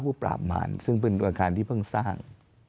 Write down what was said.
ปราบมารซึ่งเป็นอาคารที่เพิ่งสร้าง